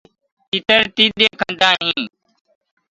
تيٚتر تيڏينٚ ڪآندآ هينٚ۔